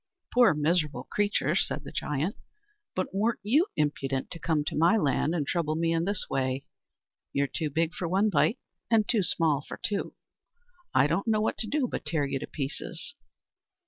"Poor miserable creature!" said the giant; "but weren't you impudent to come to my land and trouble me in this way? You're too big for one bite, and too small for two. I don't know what to do but tear you to pieces."